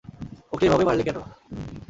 ওকে এভাবে মারলে কেন?